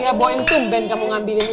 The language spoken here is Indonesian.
ya boyang tuh ben kamu ngambilin